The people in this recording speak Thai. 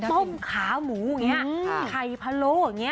มมขาหมูไข่พะโล่